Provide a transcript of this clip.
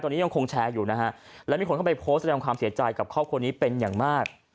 ตอนนี้ยังคงแชร์อยู่นะฮะและมีคนเข้าไปโพสต์แสดงความเสียใจกับครอบครัวนี้เป็นอย่างมาก